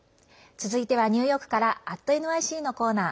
続いてはニューヨークから「＠ｎｙｃ」のコーナー。